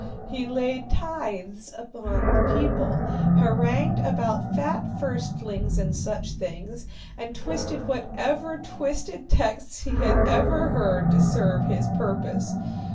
He laid tithes upon the people, harangued about fat firstlings and such things, and twisted whatever twisted texts he had ever heard to serve his purpose.